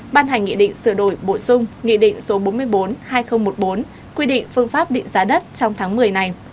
ban hành nghị định sửa đổi bổ sung nghị định số bốn mươi bốn hai nghìn một mươi bốn quy định phương pháp định giá đất trong tháng một mươi này